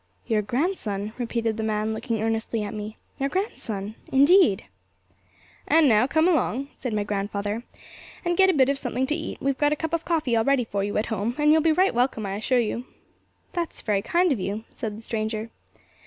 'Your grandson,' repeated the man, looking earnestly at me; 'your grandson indeed!' 'And now come along,' said my grand father, 'and get a bit of something to eat; we've got a cup of coffee all ready for you at home, and you'll be right welcome, I assure you.' 'That's very kind of you,' said the stranger.